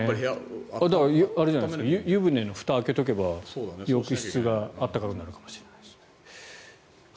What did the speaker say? だから湯船のふたを開けておけば浴室が暖かくなるかもしれないです。